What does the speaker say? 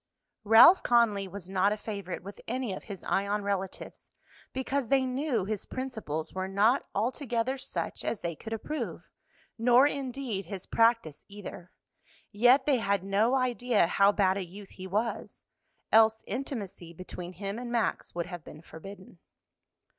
Ralph Conly was not a favorite with any of his Ion relatives, because they knew his principles were not altogether such as they could approve, nor indeed his practice either; yet they had no idea how bad a youth he was, else intimacy between him and Max would have been forbidden.